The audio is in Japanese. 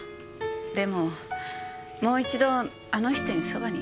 でももう一度あの人にそばにいてほしかった。